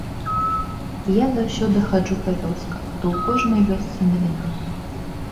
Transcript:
Я заўсёды хаджу па вёсках, то ў кожнай вёсцы навіна.